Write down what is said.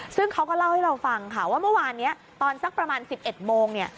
ซึ่งเขาก็เล่าให้เราฟังค่ะว่าเมื่อวานนี้ตอนสักประมาณ๑๑โมงเนี่ย